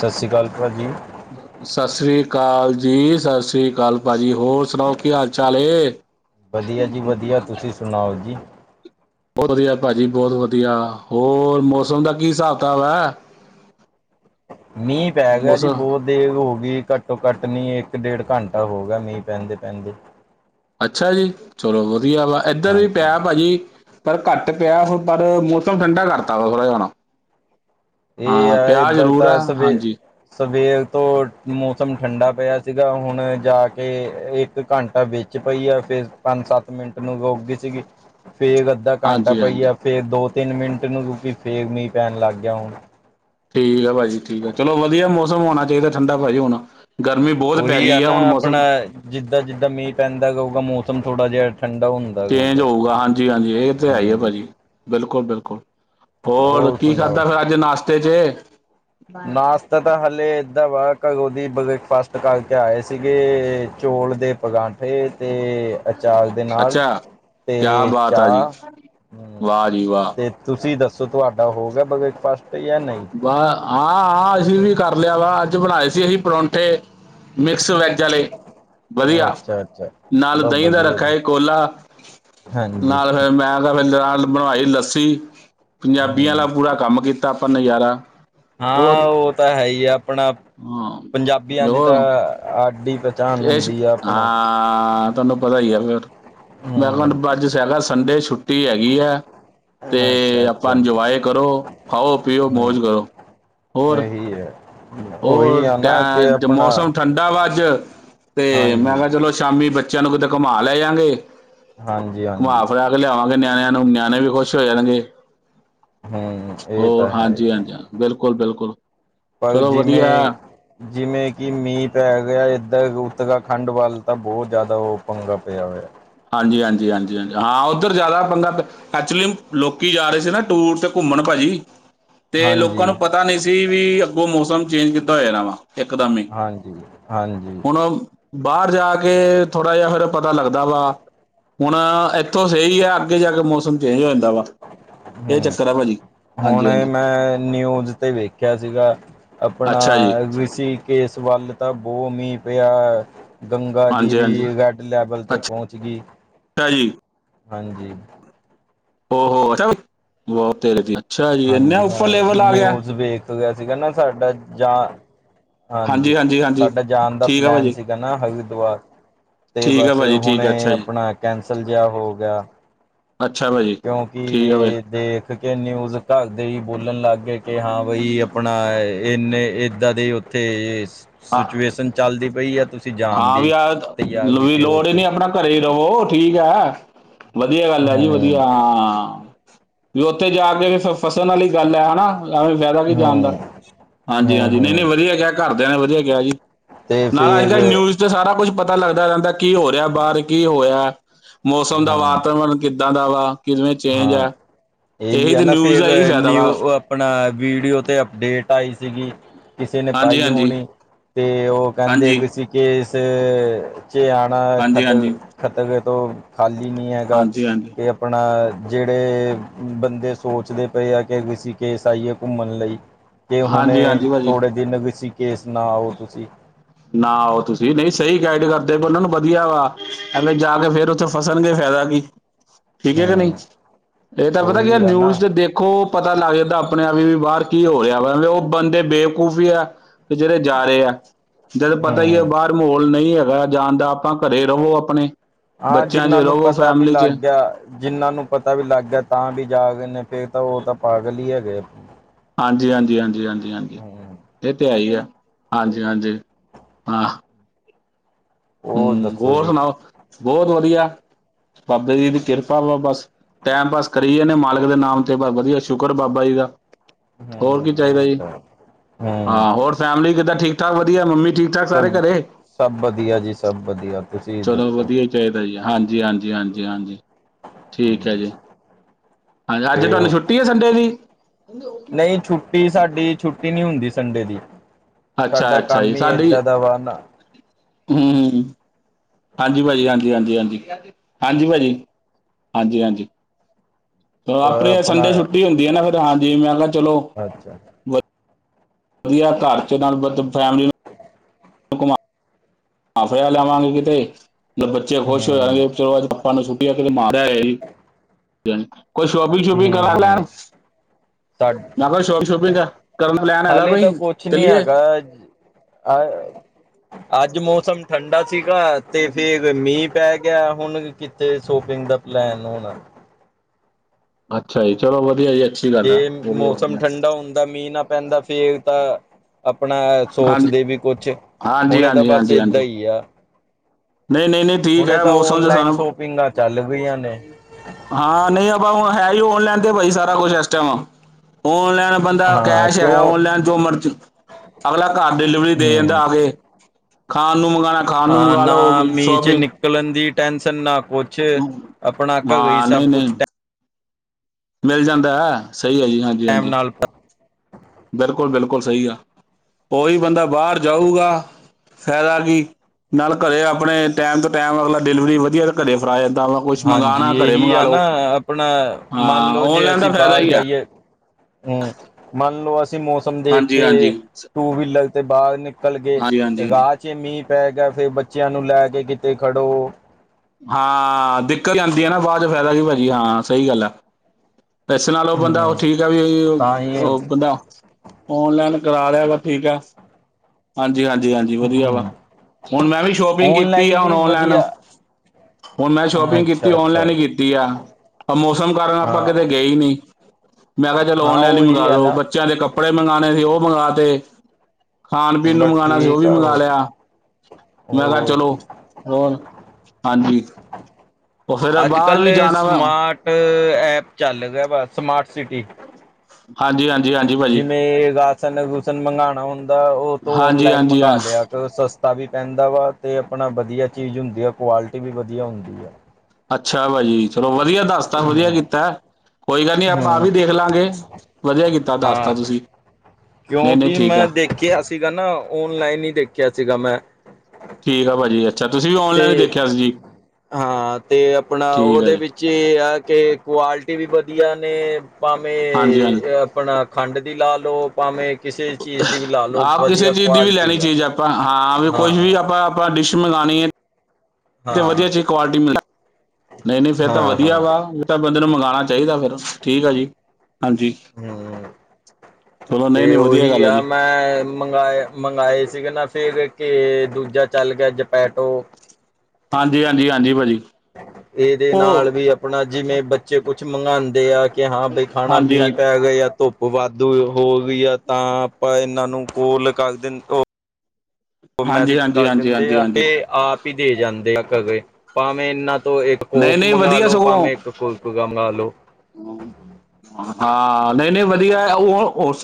ਸਸਰੀ ਕਾਲ ਭਾਅ ਜੀ। [inaudible] ਸਾਸਰੀ ਕਾਲ ਜੀ -ਸਾਸਰੀ ਕਾਲ ਭਾਜੀ, ਹੋਰ ਸੁਣਾਓ ਕੀ ਹਾਲ ਚਾਲ ਏ। ਵਧੀਆ ਜੀ ਵਧੀਆ, ਤੁਸੀਂ ਸੁਣਾਓ ਜੀ। ਬੋਤ ਵਧੀਆ ਭਾਜੀ ਬੋਤ ਵਧੀਆ। ਹੋਰ ਮੌਸਮ ਦਾ ਕੀ ਹਿਸਾਬ ਕਿਤਾਬ ਐ। ਮੀਂਹ ਪੈ ਗਿਆ ਜੀ ਮੌਸਮ ਬੋਤ। ਦੇ ਹੋ ਗਈ। ਘੱਟੋ -ਘੱਟ ਨੀ ਇੱਕ- ਡੇਢ ਘੰਟਾ ਹੋ ਗਿਆ, ਮੀਂਹ ਪੈਂਦੇ -ਪੈਂਦੇ। ਅੱਛਾ ਜੀ, ਚਲੋ ਵਧੀਆ ਵਾ। ਏਧਰ ਵੀ ਹਾਂਜੀ ਪਿਆ ਭਾਜੀ- ਪਰ ਘੱਟ ਪਿਆ। ਪਰ, ਮੌਸਮ ਠੰਡਾ ਕਰਤਾ ਵਾ ਥੋੜ੍ਹਾ ਜਿਆ ਹੁਣ। ਇਹ ਹਾਂ ਆ ਪਿਆ ਏਦਾਂ ਜ਼ਰੂਰ ਹੈ ਤਾਂ ਸਵੇਰ ਹਾਂਜੀ ਸਵੇਰ ਤੋਂ ਮੌਸਮ ਠੰਡਾ ਪਿਆ ਸੀਗਾ ਹੁਣ ਜਾ ਕੇ ਇੱਕ ਘੰਟਾ ਵਿੱਚ ਚੁਪਈਆ ਫਿਰ ਪੰਜ ਸੱਤ ਮਿੰਟ ਨੂੰ ਰੋਕਦੀ ਸੀਗੀ ਫਿਰ ਅੱਧਾ ਘੰਟਾ ਹਾਂਜੀ ਪਈ ਹਾਂਜੀ ਆ ਫਿਰ ਦੋ ਤਿੰਨ ਮਿੰਟ ਨੂੰ ਕਿਉਂਕਿ ਫਿਰ ਮੀਂਹ ਪੈਣ ਲੱਗ ਗਿਆ ਹੁਣ ਠੀਕ ਆ ਭਾਜੀ ਠੀਕ ਆ ਚਲੋ ਵਧੀਆ ਮੌਸਮ ਹੋਣਾ ਚਾਹੀਦਾ ਠੰਡਾ ਭਾਜੀ ਹੁਣ ਗਰਮੀ ਬਹੁਤ ਪੈ ਉਹੀ ਗਈ ਆ ਨਾ ਹੁਣ ਆਪਣਾ ਮੌਸਮ ਜਿੱਦਾਂ ਜਿੱਦਾਂ ਮੀਂਹ ਪੈਂਦਾ ਮੌਸਮ ਥੋੜਾ ਜਿਹਾ ਠੰਡਾ ਹੁੰਦਾ ਚੇਂਜ ਗਊਗਾ ਹੋਊਗਾ ਹਾਂਜੀ ਹਾਂਜੀ ਇਹ ਤਾਂ ਹੈ ਹੀ ਹੈ ਭਾ ਹਾਂਜੀ ਜੀ ਬਿਲਕੁਲ ਬਿਲਕੁਲ ਹੋਰ ਉਹ ਕੀ ਸੁਣਾਓ ਖਾਧਾ ਫਿਰ ਅੱਜ ਨਾਸ਼ਤੇ ਚ ਨਾਸ ਤਾਂ ਤਾਂ ਹਾਲੇ ਇੱਦਾਂ ਵਾ ਕ ਉਹਦੀ ਬ੍ਰੇਕਫਾਸਟ ਕਰਕੇ ਆਏ ਸੀਗੇ ਚੌਲ ਦੇ ਪਕਾ ਫਿਰ ਤੇ ਅਚਾਰ ਦੇ ਨਾਲ ਅੱਛਾ ਤੇ ਕਿਆ ਬਾਤ ਆ ਜੀ ਚਾਹ ਹੂ ਵਾਹ ਜੀ ਵਾਹ ਤੇ ਤੁਸੀਂ ਦੱਸੋ ਤੁਹਾਡਾ ਹੋ ਗਿਆ ਬ੍ਰੇਕਫਾਸਟ ਜਾਂ ਨਹੀਂ ਹਾਂ ਹਾਂ ਅਸੀਂ ਵੀ ਕਰ ਲਿਆ ਵਾ ਅੱਜ ਬਣਾਏ ਸੀ ਅਸੀਂ ਪਰੌਂਠੇ ਮਿਕਸ ਵੈੱਜ ਵਾਲੇ ਵਧੀਆ ਅੱਛਾ ਅੱਛਾ। ਨਾਲ ਬਹੁਤ ਦਹੀਂ ਦਾ ਵਧੀਆ ਰੱਖਾ ਜੀ ਹੈ ਕੋਲਾ ਹਾਂਜੀ ਨਾਲ ਫਿਰ ਮੈਂ ਫਿਰ ਬਣਵਾਈ ਲੱਸੀ ਪੰਜਾਬੀਆਂ ਦਾ ਹਮ ਪੂਰਾ ਕੰਮ ਕੀਤਾ ਆਪਾਂ ਨਜ਼ਾਰਾ ਹੋਰ ਹਾਂ ਉਹ ਤਾਂ ਹੈ ਹੀ ਆ ਆਪਣਾ ਹਾਂ ਪੰਜਾਬੀਆਂ ਦੀ ਤਾਂ ਅਡੀ ਤੇ ਇਹ ਹਾਂ ਤੁਹਾਨੂੰ ਪਤਾ ਹੀ ਹੈ ਫਿਰ ਮੈਂ ਹੂੰ ਕਹ ਅੱਜ ਹੈਗਾ ਸੰਡੇ ਛੁੱਟੀ ਹੈਗੀ ਹੈ। ਅੱਛਾ ਤੇ ਆਪਾਂ ਅੱਛਾ ਇੰਜਵਾਏ ਕਰੋ ਖਾਓ ਪੀਓ ਮੌਜ ਹੂੰ ਕਰੋ ਹੋਰ ਹੈ। ਇਹੀ ਹੂ ਉਹਰ ਟ ਮੌਸਮ ਠੰਡਾ ਵਾ ਅੱਜ ਤੇ ਹਾਂਜੀ ਮੈਂ ਕਿਹਾ ਚਲੋ ਸ਼ਾਮੀ ਬੱਚਿਆਂ ਨੂੰ ਕਿਤੇ ਘੁਮਾ ਲੈ ਜਾਂਗੇ ਹਾਂਜੀ ਹਾਂਜੀ ਘੁਮਾ ਫਰਾ ਲਿਆਵਾਂਗੇ ਨਿਆਣਿਆਂ ਨੂੰ ਨਿਆਣੇ ਵੀ ਖੁਸ਼ ਹੋ ਜਾਣਗੇ ਹੂੰ ਇਹ ਤਾਂ ਹੋਰ ਹੈ ਹਾਂਜੀ ਹੀ ਹਾਂਜੀ ਹਾਂ ਬਿਲਕੁਲ ਬਿਲਕੁਲ ਪਰ ਚਲੋ ਵਧੀਆ ਜਿਵੇਂ ਜਿਵੇਂ ਕਿ ਮੀਂਹ ਪੈ ਗਿਆ ਏਧਰ ਉਤਰਾ ਖੰਡ ਵੱਲ ਤਾਂ ਬਹੁਤ ਜ਼ਿਆਦਾ ਉਹ ਪੰਗਾ ਪਿਆ ਹੋਇਆ ਹਾਂਜੀ ਹਾਂਜੀ ਹਾਂਜੀ ਹਾਂਜੀ ਹਾਂ ਉੱਧਰ ਜ਼ਿਆਦਾ ਬੰਦਾ ਐਕਚੁਲੀ ਲੋਕੀ ਜਾ ਰਹੇ ਸੀ ਨਾ ਟੂਰ ਤੇ ਘੁੰਮਣ ਭਾਜੀ ਤੇ ਲੋਕਾਂ ਨੂੰ ਹਾਂਜੀ ਪਤਾ ਨਹੀਂ ਸੀ ਵੀ ਅੱਗੋਂ ਮੌਸਮ ਚੇਂਜ ਕਿੱਦਾਂ ਹੋ ਜਾਣਾ ਵਾ ਇਕਦਮ ਹਾਂਜੀ ਹਾਂਜੀ ਹੁਣ ਬਾਹਰ ਜਾ ਕੇ ਥੋੜਾ ਜਿਹਾ ਫਿਰ ਪਤਾ ਲੱਗਦਾ ਵਾ ਹੁਣ ਇੱਥੋਂ ਸਹੀ ਆ ਅੱਗੇ ਜਾ ਕੇ ਮੌਸਮ ਚੇਂਜ ਹੋ ਜਾਂਦਾ ਵਾ ਇਹ ਹੂੰ ਚੱਕਰ ਆ ਭਾਜੀ ਹੁਣ ਹਾਂਜੀ ਹਾਂਜੀ ਮੈਂ ਨਿਊਜ਼ ਤੇ ਵੇਖਿਆ ਸੀਗਾ ਆਪਣਾ ਅੱਛਾ ਜੀ ਸੀ ਕੇਸ ਵੱਲ ਤਾਂ ਬੋ ਮੀਂਹ ਪਿਆ ਗੰਗਾ ਜੀ ਹਾਂਜੀ ਹਾਂਜੀ ਵੀੈ ਲੈਵਲ ਤੇ ਪਹੁੰਚ ਗਈ ਅੱਛਾ ਜੀ ਹਾਂਜੀ ਹ ਅੱਛਾ ਬਹੁ ਤੇਰੇ ਜ ਅੱਛਾ ਜੀ ਇੰਨੇ ਹਾਂਜੀ ਮੈਂ ਅੱਪਰ ਲੇਵਲ ਆ ਗਿਆ ਨਿਊਜ਼ ਵੇਖ ਗਿਆ ਸੀਗਾ ਨਾ ਸਾਡਾ ਜਾ ਹਾਂਜੀ ਸਾਡਾ ਜਾਣ ਦਾ ਠੀਕ ਆ ਪਲੈਨ ਭਾਜੀ ਸੀ ਨਾ ਹਰਿਦੁਵਾਰ ਤੇ ਠੀਕ ਆ ਬਸ ਭਾਜੀ ਠੀਕ ਆ ਹੁਣੇ ਅੱਛਾ ਜੀ ਆਪਣਾ ਕੈਂਸਲ ਜਿਹਾ ਹੋ ਗਿਆ ਅੱਛਾ ਭਾਜੀ ਕਿਉਂਕਿ ਠੀਕ ਆ ਭਾਜੀ ਇਹ ਦੇਖ ਕੇ ਨਿਊਜ਼ ਘਰਦੇ ਹੀ ਬੋਲਣ ਲੱਗ ਗਏ ਕਿ ਹਾਂ ਬਈ ਆਪਣਾ ਇਨੇ ਏਦਾਂ ਦੇ ਉੱਥੇ ਹਾਂ ਸਿਚੁਏਸ਼ਨ ਚੱਲਦੀ ਪਈ ਆ ਤੁਸੀਂ ਜਾਣ ਹਾਂ ਵੀ ਦੀ ਆ ਤਿਆਰ ਵੀ ਲੋੜ ਹੀ ਉੱਥੇ ਨਹੀਂ ਆਪਣਾ ਘਰੇ ਰਵੋ ਠੀਕ ਹੈ ਵਧੀਆ ਗੱਲ ਹੈ ਜੀ ਹੂੰ ਵਧੀਆ ਹਾਂ ਵੀ ਉੱਥੇ ਜਾ ਕੇ ਵੀ ਫਸਣ ਵਾਲੀ ਗੱਲ ਏ ਹਨਾ ਐਵੇਂ ਫਾਇਦਾ ਕੀ ਜਾਣ ਦਾ ਹੂੰ ਹਾਂਜੀ ਹੂੰ ਹਾਂਜੀ ਨਹੀਂ ਨਹੀਂ ਹੂੰ ਵਧੀਆ ਕਿਹਾ ਘਰਦਿਆਂ ਨੇ ਗਿਆ ਜੀ ਤੇ ਨਾਲ ਅੱਜ ਫਿਰ ਕੱਲ੍ਹ ਨਿਊਜ਼ ਤੇ ਸਾਰਾ ਕੁਛ ਪਤਾ ਲੱਗਦਾ ਰਹਿੰਦਾ ਕੀ ਹੋ ਰਿਹਾ ਬਾਹਰ ਕੀ ਹੋਇਹਾ ਮੌਸਮ ਦਾ ਹਾਂ ਵਾਤਾਵਰਨ ਕਿੱਦਾਂ ਦਾ ਵਾ ਕਿਵੇਂ ਚੇਂਜ ਏ ਹਾਂ ਇਹੀ ਹੈ ਨਾ ਫੇਰ ਵਾ ਨਿਊ ਆਪਣਾ ਵੀਡੀਓ ਤੇ ਅਪਡੇਟ ਆਈ ਸੀਗੀ ਕਿਸੇ ਨੇ ਹਾਂਜੀ ਪਾਈ ਹਾਂਜੀ ਹੋਣੀ ਤੇ ਉਹ ਕਹਿੰਦੇ ਹਾਂਜੀ ਕਿਸਸੀ ਕਿ ਇਸ ਬੇ ਆਉਣਾ ਹਾਂਜੀ ਹਾਂਜੀ ਖਤ ਹਾਂਜੀ ਖਤਰੇ ਤੋਂ ਖਾਲੀ ਨੀ ਹੈਗਾ ਹਾਂਜੀ ਕਿ ਆਪਣਾ ਜਿਹੜੇ ਬੰਦੇ ਸੋਚਦੇ ਪਏ ਆ ਕਿ ਰਿਸ਼ੀਕੇਸ ਆਈਏ ਘੁੰਮਣ ਲਈ ਕਿ ਹਾਂਜੀ ਹੁਣੇ ਹਾਂਜੀ ਭਾਜੀ ਥੋੜੇ ਦਿਨ ਰਿਸ਼ੀਕੇਸ ਨਾ ਆਓ ਤੁਸੀਂ ਨਾ ਆਓ ਤੁਸੀਂ ਨਹੀਂ ਸਹੀ ਗਾਈਡ ਕਰਦੇ ਵੀ ਉਹਨਾਂ ਨੂੰ ਵਧੀਆ ਵਾ ਹਲੇ ਜਾ ਕੇ ਫੇਰ ਉੱਥੇ ਫਸਣਗੇ ਫਾਇਦਾ ਕੀ ਠੀਕ ਹੈ ਕਿ ਨਹੀਂ ਹੂੰ ਇਹ ਤਾਂ ਪਤਾ ਕੀ ਉਹੀ ਆ ਨਾ ਨਿਊਜ਼ ਤੇ ਦੇਖੋ ਪਤਾ ਲੱਗ ਜਾਂਦਾ ਆਪਣੇ ਆਪ ਹੀ ਵੀ ਬਾਹਰ ਕੀ ਹੋ ਰਿਹਾ ਵਾ ਉਹ ਬੰਦੇ ਬੇਵਕੂਫੀ ਆ ਤੇ ਜਿਹੜੇ ਜਾ ਰਹੇ ਆ ਜਦ ਪਤਾ ਹੀ ਹੈ ਹੂੰ ਬਾਹਰ ਮਾਹੌਲ ਨਹੀਂ ਹੈਗਾ ਜਾਣ ਦਾ ਆਪਾਂ ਘਰੇ ਰਹੋ ਆਪਣੇ ਹਾਂ ਬੱਚਿਆਂ 'ਚ ਜਿੰਨਾਂ ਨੂੰ ਰਵੋ ਪਤਾ ਵੀ ਫੈਮਿਲੀ 'ਚ ਲੱਗ ਗਿਆ ਜਿੰਹਨਾਂ ਨੂੰ ਪਤਾ ਵੀ ਲੱਗ ਗਿਆ ਤਾਂ ਵੀ ਜਾ ਰਏ ਨੇ ਫਿਰ ਤਾਂ ਉਹ ਤਾਂ ਪਾਗਲ ਹੀ ਹੈਗੇਣੇ ਹਾਂਜੀ ਹਾਂਜੀ ਹਾਂਜੀ ਹਾਂਜੀ ਹਾਂਜੀ ਹੂੰ ਇਹ ਤੇ ਹੈ ਹੀ ਆ ਹਾਂਜੀ ਹਾਂਜੀ ਹਾਂ ਉਹ ਹਮ ਦੱਸੋ ਹੋਰ ਜੀ ਸੁਣਾਓ ਬਹੁਤ ਵਧੀਆ ਬਾਬੇ ਜੀ ਦੀ ਕਿਰਪਾ ਵਾ ਬਸ ਟੇਮ ਪਾਸ ਕਰੀ ਜਾਨੇ ਮਾਲਕ ਦੇ ਨਾਮ ਤੇ ਬਸ ਵਧੀਆ ਸ਼ੁਕਰ ਬਾਬਾ ਜੀ ਦਾ ਹੋਰ ਕੀ ਹੂੰ ਚਾਹੀਦਾ ਇਹ ਜੀ ਤਾਂ ਹੈ। ਹੂੰ ਹਾਂ ਹੋਰ ਫੈਮਿਲੀ ਕਿੱਦਾਂ ਠੀਕ ਠਾਕ ਵਧੀਆ ਮੰਮੀ ਠੀਕ ਠਾਕ ਸਭ ਸਾਰੇ ਘਰੇ ਸਭ ਵਧੀਆ ਜੀ ਸਭ ਵਧੀਆ ਤੁਸੀਂ ਚਲੋ ਦੱਸੋ ਵਧੀਆ ਹੀ ਚਾਹੀਦਾ ਜੀ ਹਾਂਜੀ ਹਾਂਜੀ ਹਾਂਜੀ ਹਾਂਜੀ ਠੀਕ ਹੈ ਹੂੰ ਜੀ ਹਾਂਜੀ ਅੱਜ ਤੇ ਤੁਹਾਨੂੰ ਉਹ ਛੁੱਟੀ ਹੈ ਸੰਡੇ ਦੀ ਨਹੀਂ ਛੁੱਟੀ ਸਾਡੀ ਛੁੱਟੀ ਨਹੀਂ ਹੁੰਦੀ ਸੰਡੇ ਦੀ ਅੱਛਾ ਸਾਡਾ ਅੱਛਾ ਕੰਮ ਜੀ ਹੀ ਸਾਡੀ ਏਦਾਂ ਦਾ ਵਾ ਨਾ ਹੂੰ ਹਾਂਜੀ ਭਾਅਜੀੀ ਹਾਂਜੀ ਹਾਂਜੀ ਹਾਂਜੀ ਹਾਂਜੀ ਭਾਅਜੀੀ ਹਾਂਜੀ ਹਾਂਜੀ ਅ ਆਪਣੇ ਆਪਣਾ ਸੰਡੇ ਛੁੱਟੀ ਹੁੰਦੀ ਹੈ ਨਾ ਫਿਰ ਹਾਂਜੀ ਮੈਂ ਕਿਹਾ ਚਲੋ ਅੱਛਾ ਵਧੀਆ ਘਰ ਚ ਨਾਲ ਬਚ ਫੈਮਿਲੀ [unintelligible] [unintelligible] ਘੁਮਾ ਫਿਰਾ ਲੈਵਾਂਗੇ ਕਿਤੇ ਬੱਚੇ ਖੁਸ਼ ਹੋ ਹੂੰ ਜਾਨਗੇ ਚਲੋ ਅੱਜ ਪਾਪਾ ਨੂੰ ਛੁੱਟੀ ਆ ਕਿਤੇ ਘੁਮਾ ਲਿਆਈ [inaudible] ਕੋਈ ਸ਼ੋਪਿੰਗ ਸ਼ੂਪਿੰਗ ਹੂੰ ਕਰ ਲੈ ਹੂੰ ਸਾ ਨਾ ਕੋ ਸ਼ੋਪ ਸ਼ੋਪਿੰਗ ਕਰਨਾ ਪਲੈਨ ਹੈਗਾ ਹਾਲੇ ਤਾਂ ਕੋਈ ਕੁਛ ਨੀ ਚਲੀਏ ਹੈਗਾ [unintelligible] ਅੱਜ ਮੌਸਮ ਠੰਡਾ ਸੀਗਾ ਤੇ ਫੇਰ ਮੀਂਹ ਪੈ ਗਿਆ ਹੁਣ ਕਿਤੇ ਸੋਪਿੰਗ ਦਾ ਲੈਣ ਅਉਣਾ ਅੱਛਾ ਜੀ ਚਲੋ ਵਧੀਆ ਜ ਜੇ ਮੌਸਮ ਠੰਡਾ ਹੁੰਦਾ ਮੀਂਹ ਨਾ ਪੈਂਦਾ ਫਿਰ ਤਾਂ ਆਪਣਾ ਹਾਂਜੀ ਸੋਚਦੇ ਵੀ ਕੁਛ ਹਾਂਜੀ ਹੁਣੇ ਤਾਂ ਹਾਂਜੀ ਬਸ ਹਾਂਜੀ ਏਦਾਂ ਹਾਂਜੀ ਹੀ ਆ। ਨਹੀਂ ਨਹੀਂ ਨਹੀਂ। ਠੀਕ ਹੁਣੇ ਹੈ ਤਾਂ ਮੌਸਮ ਦੇ ਓਨਲਾਈਨ ਸਾਨੂੰ ਸ਼ੋਪਿੰਗਾਂ ਚੱਲ ਗਈਆਂ ਨੇ। ਹਾਂ ਨਹੀਂ ਆਪਾਂ ਹੁਣ ਹੈ ਹੀ ਔਨਲਾਈਨ ਤੇ ਬਈ ਸਾਰਾ ਕੁਛ ਇਸ ਟਾਈਮ ਔਨਲਾਈਨ। ਬੰਦਾ ਹਾਂ ਕੈਸ਼ ਹੈਗਾ ਕਿਉਂ ਔਨਲਾਈਨ ਜੋ ਮਰਜ਼ੀ ਅਗਲਾ ਘਰ ਡਿਲੀਵਰੀ ਦੇ ਹੂੰ ਜਾਂਦਾ ਆ ਕੇ ਖਾਣ ਨੂੰ ਮੰਗਉਣਾ ਖਾਣ ਨੂੰ ਹਾਂ ਮੰਗਵਾ ਨਾ ਲਓ ਮੀਂਹ ਚ ਸ਼ੋਪਿੰਗ ਨਿਕਲਣ ਦੀ ਟੈਸ਼ਨ ਨਾ ਕੁਛ ਆਪਣਾ ਘਰ ਹਾਂ ਨਹੀਂ ਸਭ ਨਹੀਂ ਕੁਛ ਮਿਲ ਜਾਂਦਾ ਹੈ ਸਹੀ ਹੈ ਜੀ ਹਾਂਜੀ। ਟਾਈਮ ਹਾਂਜੀ ਨਾਲ ਬਿਲਕੁਲ ਬਿਲਕੁਲ ਸਹੀ ਆ ਉਹੀ ਬੰਦਾ ਬਾਹਰ ਜਾਊਗਾ। ਫਾਇਦਾ ਕੀ ਨਾਲ ਘਰੇ ਆਪਣੇ ਟੈਮ ਤੋਂ ਟੈਮ ਅਗਲਾ ਡਿਲੀਵਰੀ ਵਧੀਆ। ਘਰੇ ਫੜਾ ਜਾਂਦਾ ਵਾ ਕੁਛ ਹਾਂਜੀ ਮੰਗਵਾਉਣਾ ਘਰੇ ਇਹੀ ਮੰਗਵਾ ਆ ਲਓ ਨਾ ਆਪਣਾ ਮੰਨ ਹਾਂ ਲਓ ਜੇ ਔਨਲਾਈਨ ਦਾ ਅਸੀਂ ਫਾਇਦਾ ਬਾਹਰ ਹੀ ਆ ਜਾਈਏ। ਹੂੰ, ਮੰਨ ਲਓ ਅਸੀਂ ਮੌਸਮ ਦੇਖ ਹਾਂਜੀ ਕੇ ਹਾਂਜੀ ਟੂ ਵੀਲਰ ਤੇ ਬਾਹਰ ਨਿਕਲ ਕੇ ਹਾਂਜੀ ਹਾਂਜੀ ਰਾਜ ਜੇ ਹਾਂਜੀ ਬੱਚੇ ਮੀਂਹ ਪੈ ਗਿਆ ਫਿਰ ਬੱਚਿਆਂ ਨੂੰ ਲੈ ਕੇ ਕਿਤੇ ਖੜੋ। ਹਾਂ, ਦਿੱਕਤ ਆਦੀ ਹੈ ਨਾ ਬਾਅਦ ਚ ਫਾਇਦਾ ਕੀ ਭਾਜੀ ਹਾਂ ਸਹੀ ਗੱਲ ਆ। ਇਸ ਨਾਲੋਂ ਉਹ ਬੰਦਾ ਉਹ ਹੂੰ ਠੀਕ ਆ ਵੀ ਤਾਂ ਹੀ ਉਹ ਬੰਦਾ ਓਨਲਾਈਨ ਕਰਾ ਲਿਆ ਵਾ ਠੀਕ ਆ ਹਾਂਜੀ ਹਾਂਜੀ ਹਾਂਜੀ। ਵਧੀਆ ਵਾ ਹੂੰ ਹੁਣ ਮੈਂ ਵੀ ਸ਼ੋਪਿੰਗ ਕੀਤੀ ਔਨਲਾਈਨ ਆ ਹੁਣ ਵੀ ਔਨਲਾਈਨ। ਵਧੀਆ ਹੁਣ ਮੈਂ ਸ਼ੋਪਿੰਗ ਕੀਤੀ ਅੱਛਾ ਅੱਛਾ ਔਨਲਾਈਨ ਹੀ ਕੀਤੀ ਆ। ਮੌਸਮ ਕਾਰਨ ਆਪਾਂ ਹਾਂ ਕਿਤੇ ਗਏ ਹੀ ਨਹੀਂ ਮੈਂ ਕਿਹਾ ਚਲ ਹਾਂ ਔਨਲਾਈਨ ਹੀ ਮੰਗਵਾ ਉਹੀ ਹੈ ਦੋ ਨਾ ਬੱਚਿਆਂ ਦੇ ਕੱਪੜੇ ਕੱਪੜੇ ਮੰਗਵਾਉਣੇ ਸੀ ਉਹ ਮੰਗਵਾਤੇ ਖਾਣ ਪੀਣ ਨੂੰ ਬਸ ਮੰਗਵਾਉਣਾ ਸੀ ਉਹ ਠੀਕ ਵੀ ਆ ਮੰਗਵਾ ਹੋਰ ਲਿਆ। ਮੈਂ ਕਿਹਾ ਹੋਰ ਚਲੋ ਕੀ ਹੋਰ ਹਾਂਜੀ। ਉਹ ਫੇਰ ਅੱਜ ਬਾਹਰ ਵੀ ਕੱਲ੍ਹ ਜਾਣਾ ਵਾ ਸਮਾਰਟ ਐਪ ਚੱਲ ਰਿਹਾਂ ਵਾ ਸਮਾਰਟ ਸਿਟੀ। [inaudible] ਹਾਂਜੀ, ਹਾਂਜੀ, ਹਾਂਜੀ। ਭਾਜੀ ਜਿਵੇਂ, ਰਾਸਨ ਰੁਸਨ ਮੰਗਵਾਉਣਾ ਹੁੰਦਾ ਉਹ ਤੋਂ ਹਾਂਜੀ ਔਨਲਾਈਨ ਹਾਂਜੀ ਹਾਂ ਮੰਗਵਾ ਲਿਆ। ਸਸਤਾ ਵੀ ਪੈਂਦਾ ਵਾ ਅਤੇ ਆਪਣਾ ਵਧੀਆ ਚੀਜ਼ ਹੁੰਦੀ ਆ ਕੁਆਲਿਟੀ ਵੀ ਵਧੀਆ ਹੁੰਦੀ ਆ। ਅੱਛਾ ਭਾਜੀ ਚਲੋ ਵਧੀਆ ਦੱਸ ਤ ਵਧੀਆ ਹੂੰ ਕੀਤਾ। ਕੋਈ ਗੱਲ ਨਹੀਂ ਆਪਾਂ ਆ ਵੀ ਦੇਖ ਲਵਾਂਗੇ ਵਧੀਆ ਕੀਤਾ ਦੱਸ ਹਾਂ ਤ ਤੁਸੀਂ। ਨਹੀਂ ਨਹੀਂ ਕਿਉਂਕਿ ਠੀਕ ਮੈਂ ਆ ਦੇ ਸੀਗਾ ਨਾ ਓਨਲਾਈਨ ਹੀ ਦੇਖਿਆ ਸੀਗਾ ਮੈਂ। ਠੀਕ ਆ ਭਾਜੀ ਅੱਛਾ ਤੁਸੀਂ ਵੀ ਤੇ ਔਨਲਾਈਨ ਹੀ ਦੇਖਿਆ ਸੀ ਜੀ ਹਾਂ ਤੇ ਆਪਣਾ ਠੀਕ ਆ ਉਹਦੇ ਜੀ ਵਿੱਚ 'ਚ ਆ ਕਿ ਕੁਆਲਿਟੀ ਵੀ ਵਧੀਆ ਨੇ ਹਾਂਜੀ ਹਾਂਜੀ ਭਾਵੇਂ ਆਪਣਾ ਖੰਡ ਦੀ ਲਾ ਲਓ। ਭਾਵੇਂ ਕਿਸੇ ਚੀਜ਼ ਦੀ ਵੀ ਲਾ ਲਓ ਆਪ ਕਿਸੇ ਵਧੀਆ ਚੀਜ਼ ਦੀ ਵੀ ਕੁਆਲਿਟੀ ਲੈਣੀ ਆ ਚੀਜ਼ ਆਪਾਂ ਹਾਂ ਵੀ ਕੁਝ ਵੀ ਹਾਂ। ਆਪਾਂ ਆਪਾਂ ਡਿਸ਼ ਮੰਗਉਣੀ ਹੈ। ਤੇ ਵਧੀਆ ਹਾਂ ਜਿਹੀ ਕੁਆਲਿਟੀ ਮਿਲ ਨਹੀਂ ਨਹੀਂ ਫੇਰ ਤਾਂ ਹਾਂ ਵਧੀਆ ਹਾਂ ਵਾ ਤਾਂ ਬੰਦੇ ਨੂੰ ਮੰਗਵਾਉਣਾ ਚਾਹੀਦਾ ਫੇਰ ਠੀਕ ਆ ਜੀ ਹਾਂਜੀ। ਹੂੰ ਚਲੋ ਤੇ ਨਹੀਂ ਨਹੀਂ ਵਧੀਆ ਉਹੀ ਗੱਲ ਹੈ ਆ ਜੀ ਮੈਂ ਮੰਗਵਾਏ ਮੰਗਵਾਏ ਸੀਗੇ ਨਾ ਫੇਰ ਕੇ ਦੂਜਾ ਚੱਲ ਗਿਆ ਜੋਮੈਟੋ। ਹਾਂਜੀ ਹਾਂਜੀ ਹਾਂਜੀ ਭਾਜੀ। ਇਹਦੇ ਨਾਲ ਉਹ ਵੀ ਆਪਣਾ ਜਿਵੇਂ ਬੱਚੇ ਕੁਛ ਮੰਗਵਾਉਂਦੇ ਆ। ਕਿ ਹਾਂ ਬਈ ਖਾਣਾ ਹਾਂਜੀ ਹਾਂ ਮੀਂਹ ਪੈ ਗਿਆਏ ਜਾਂ ਧੁੱਪ। ਵਾਧੂ ਹੋ ਗਈ ਆ ਤਾਂ ਆਪਾਂ ਇਹਨਾਂ ਨੂੰ ਕੋਲ ਕਰ [inaudible] ਉਹ ਮੈਸੇਜ ਹਾਂਜੀ ਹਾਂਜੀ ਕਰ ਹਾਂਜੀ ਦਿੰਦੇ ਹਾਂਜੀ ਆ ਤੇ ਹਾਂਜੀ ਆਪ ਹੀ ਦੇ ਜਾਂਦੇ ਆ ਘਰੇ ਭਾਵੇਂ ਇੰਨਾ ਤੋਂ ਇੱਕ ਨਹੀਂ ਕੋਕ ਨਹੀਂ ਮੰਗ ਵਧੀਆ ਲੋ ਸਗੋਂ ਭਾਵੇਂ ਇੱਕ ਕੋਕਾ ਕੋਲਾ ਮੰਗ ਲਉ। ਹਾਂ, ਨਹੀਂ, ਨਹੀਂ, ਵਧੀਆ ਹੈ। ਉਹ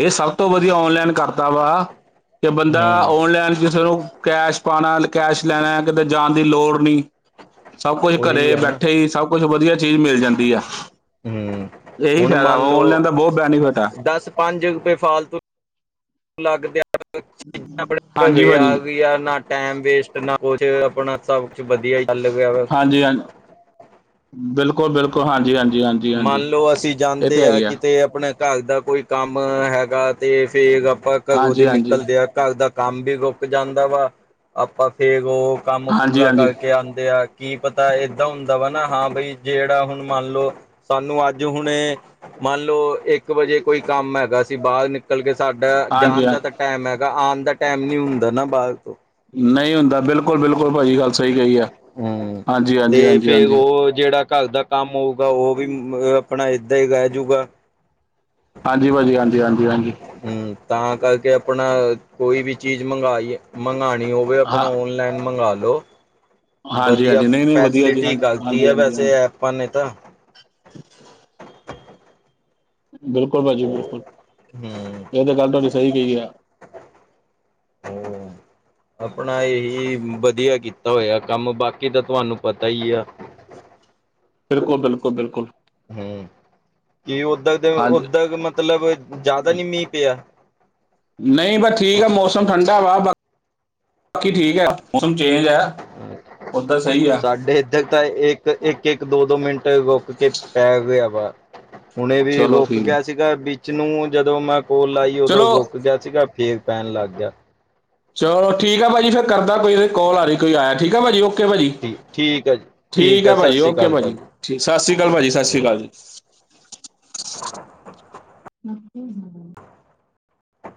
ਇਹ ਸਭ ਤੋਂ ਵਧੀਆ ਔਨਲਾਈਨ ਕਰਦਾ ਵਾ ਕਿ ਬੰਦਾ ਹੂੰ ਔਨਲਾਈਨ ਚਲੋ ਕੈਸ਼ ਪਾਉਣਾ ਕੈਸ਼ ਲੈਣਾ ਕਿਤੇ ਜਾਣ ਦੀ ਲੋੜ ਨਹੀਂ ਸਭ ਕੁਛ ਉਹੀ ਘਰੇ ਆ ਨਾ ਬੈਠੇ ਹੀ ਸਭ ਕੁਛ ਵਧੀਆ ਚੀਜ਼ ਮਿਲ ਜਾਂਦੀ ਆ ਹੂ ਇਹੀ ਹੁਣ ਫਾਇਦਾ ਵਾ ਮੰਨ ਲਓ ਔਨਲਾਈਨ ਦਾ ਬਹੁਤ ਬੈਨੀਫਿਟ ਆ ਦਸ ਪੰਜ ਰੁਪਏ ਫਾਲਤੂ ਲੱਗਦੇ ਆ ਚੀਜ਼ਾਂ ਆਪਣੇ ਹਾਂਜੀ ਘਰੇ ਭਾਜੀ ਆ ਗਈਆਂ ਨਾ। ਟਾਈਮ ਵੇਸਟ ਨਾ ਕੁਛ ਆਪਣਾ ਸਭ ਕੁਛ ਵਧੀਆ ਚੱਲ ਗਿਆ ਵਾ ਹਾਂਜੀ ਹਾਂਜੀ ਬਿਲਕੁਲ-ਬਿਲਕੁਲ, ਹਾਂਜੀ-ਹਾਂਜੀ-ਹਾਂਜੀ-ਹਾਂਜੀ, ਇਹ ਤੇ ਹੈ ਹੀ ਆ ਤੇ ਆਪਣੇ ਘਰ ਦਾ ਕੋਈ ਕੰਮ ਹੈਗਾ, ਤੇ ਫਿਰ ਆਪਾਂ ਘਰੋਂ ਦੀ ਹਾਂਜੀ ਹਾਂਜੀ ਨਿਕਲਦੇ ਆ ਘਰ ਦਾ ਕੰਮ ਵੀ ਰੁੱਕ ਜਾਂਦਾ ਵਾ ਆਪਾਂ ਫੇਰ ਉਹ ਕੰਮ ਹਾਂਜੀ ਪੂਰਾ ਹਾਂਜੀ ਕਰਕੇ ਆਉਂਦੇ ਆ ਕੀ ਪਤਾ ਏਦਾਂ ਹੁੰਦਾ ਵਾ ਨਾ ਹਾਂ ਬਈ ਜਿਹੜਾ ਹੁਣ ਮੰਨ ਲਓ, ਸਾਨੂੰ ਅੱਜ ਹੁਣ ਮੰਨ ਲਓ ਇੱਕ ਇੱਕ ਵਜੇ ਕੋਈ ਕੰਮ ਹੈਗਾ ਸੀ, ਬਾਹਰ ਨਿਕਲ ਕੇ ਸਾਡਾ ਹਾਂਜੀ ਜਾਣ ਹਾਂ ਦਾ ਤਾਂ ਟਾਈਮ ਹੈਗਾ, ਆਉਣ ਦਾ ਟਾਈਮ ਨੀ ਹੁੰਦਾ ਨਾ ਬਾਹਰ ਤੋਂ ਨਹੀਂ ਹੁੰਦਾ ਬਿਲਕੁਲ-ਬਿਲਕੁਲ ਭਾਜੀ ਗੱਲ ਸਹੀ ਕਹੀ ਹੈ ਹੂੰ ਤੇ ਫਿਰ ਉਹ ਜਿਹੜਾ ਘਰ ਦਾ ਕੰਮ ਹੋਊਗਾ। ਓ ਵੀ ਅ ਆਪਣਾ ਏਦਾਂ ਈ ਰਹਿ ਜੂਗਾ। ਹਾਂਜੀ ਭਾਜੀ। ਹਾਂਜੀ- ਹਾਂਜੀ -ਹਾਂਜੀ ਹੂੰ, ਤਾਂ ਕਰਕੇ ਆਪਣਾ ਕੋਈ ਵੀ ਚੀਜ਼ ਮੰਗਾਈ, ਮੰਗਵਾਣੀ ਓ- ਓਏ ਆਪਣਾ ਹਾਂ ਓਨਲਾਈਨ ਮੰਗਾ ਲੋੋ। ਹਾਂਜੀ ਵਧੀਆ, ਹਾਂਜੀ ਨਹੀਂ ਨਹੀਂ ਵਧੀਆ ਜੀ ਹਾਂ ਫੈਸਿਲਿਟੀ ਕਰਤੀ ਹਾਂਜੀ ਐ, ਹਾਂਜੀ ਵੈਸੇ ਹਾਂਜੀ ਐਪਾਂ ਨੇ ਤਾਂ। [inaudible] ਬਿਲਕੁਲ ਭਾਜੀ ਹੂੰ ਬਿਲਕੁਲ। ਏ ਤਾਂ ਗੱਲ ਤਾਡੀ ਸ‌ਈ ਕ‌ਈ ਐ। [unintelligible] ਆਪਣਾ ਇਹ ਵਧੀਆ ਕੀਤਾ ਹੋਇਆ ਕੰਮ ਬਾਕੀ ਤਾਂ ਤੁਹਾਨੂੰ ਪਤਾ ਈ ਆ। ਬਿਲਕੁੱਲ-ਬਿਲਕੁੱਲ- ਬਿਲਕੁੱਲ। ਹੂੰ ਕਿ ਓਦਾਂ ਦੇ ਹਾਂਜੀ ਓਦਾਂ ਮਤਲਬ ਜ਼ਿਆਦਾ ਨੀ ਮੀਂਹ ਪਿਆ। ਨਹੀਂ ਬਸ ਠੀਕ ਆ, ਮੌਸਮ ਠੰਡਾ ਵਾ ਬਾ ਬਾਕੀ ਠੀਕ ਐ। ਮੌਸਮ ਚੇਂਜ ਆ। ਓਦਾਂ ਸਹੀ ਸਾਡੇ ਇੱਧਰ ਤਾਂ ਇੱਕ-ਇੱਕ-ਇੱਕ ਦੋ-ਦੋ ਮਿੰਟ ਰੁੱਕ ਕੇ ਪੈ ਗਿਆ ਵਾ, ਹੁਣੇ ਵੀ ਚਲੋ ਰੁਕ ਠੀਕ ਗਿਆ ਸੀਗਾ ਵਿੱਚ ਨੂੰ ਜਦੋਂ ਮੈਂ ਕੋਲ ਆਈ। ਏ ਉਦੋਂ ਚਲੋ ਰੁਕ ਗਿਆ ਸੀਗਾ, ਫੇਰ ਪੈਣ ਲੱਗ ਗਿਆ। ਚਲੋ ਠੀਕ ਐ ਪਾਜੀ ਫਿਰ ਕਰਦਾ ਕੋਲ ਆ ਰਹੀ ਕੋਈ ਆਇਆ ਠੀਕ ਹੈ ਪਾਜੀ ਓ ਓਕੇ ਭਾਜੀ, ਠੀ ਠੀਕ ਹੈ ਜੀ ਠੀਕ ਹੈ ਆ ਸਤਿ ਭਾਜੀ, ਸ਼੍ਰੀ ਓਕੇ ਅਕਾਲ ਭਾਜੀ, ਸਤਿ ਸ਼੍ਰੀ ਅਕਾਲ ਭਾਜੀ, ਸਤਿ ਸ਼੍ਰੀ ਓ ਅਕਾਲ ਜੀ। ਮ ਹ [unintelligible]